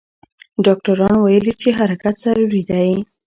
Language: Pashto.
ډاکټران ویلي چې حرکت ضروري دی.